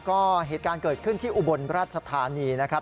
ก็เหตุการณ์เกิดขึ้นที่อุบลราชธานีนะครับ